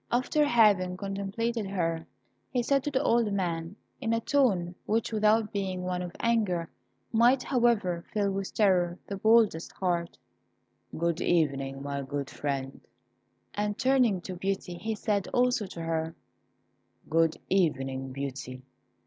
After having contemplated her, he said to the old man, in a tone which, without being one of anger, might, however, fill with terror the boldest heart, "Good evening, my good friend;" and turning to Beauty, he said also to her, "Good evening, Beauty."